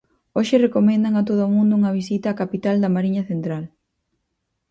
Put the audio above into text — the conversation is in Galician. Hoxe recomendan a todo o mundo unha visita á capital da Mariña central.